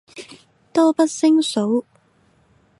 多不勝數